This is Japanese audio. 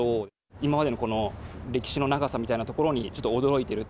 今までのこの歴史の長さみたいなところにちょっと驚いている。